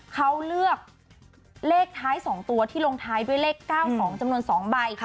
เขาเลือกเลขท้าย๒ตัวที่ลงท้ายด้วยเลข๙๒จำนวน๒ใบ